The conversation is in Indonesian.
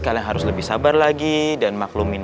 kalian harus lebih sabar lagi dan maklumin